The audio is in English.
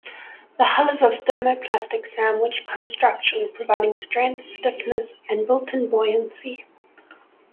The hull is of thermoplastic sandwich construction, providing strength, stiffness, and built-in buoyancy.